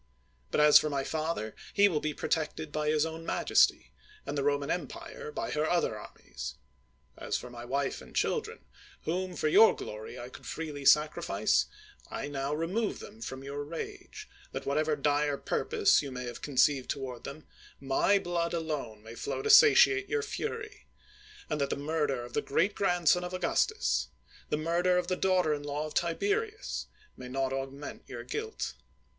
But as for my father, he will be protected by his own majesty; and the Roman empire by her other armies. As for my wife and children, whom for your glory I could freely sacrifice, I now remove them from your rage, that whatever dire purpose you may have conceived toward them, my blood alone may flow to satiate your fury ; and that the mur der of the great grandson of Augustus, the mur der of the daughter in law of Tiberius, may not augment your guilt.